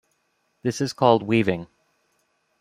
This is called Weaving.